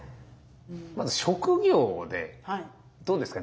職業でどうですか？